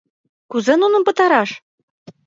Кузе нуным пытараш?..